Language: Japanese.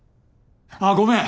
あごめん！